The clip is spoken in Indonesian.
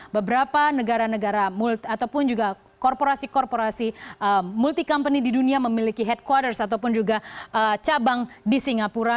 beberapa negara negara ataupun juga korporasi korporasi multi company di dunia memiliki headquaders ataupun juga cabang di singapura